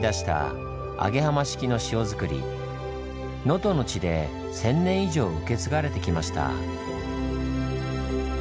能登の地で１，０００年以上受け継がれてきました。